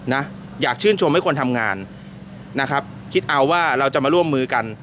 นะอยากชื่นชมให้คนทำงานนะครับคิดเอาว่าเราจะมาร่วมมือกัน